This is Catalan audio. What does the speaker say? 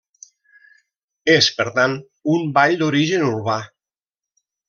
És, per tant, un ball d'origen urbà.